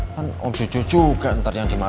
kan om jojo juga ntar yang dimarahin